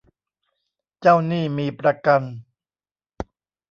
เจ้าหนี้มีประกัน